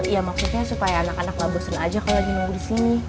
ya maksudnya supaya anak anak gak bosan aja kalo lagi nunggu disini